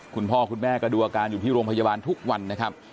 คุณพ่อคุณแม่ก็ดูอาการอยู่ที่โรงพยาบาลทุกวันนะครับ